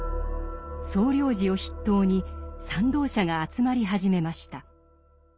総領事を筆頭に賛同者が集まり始めました。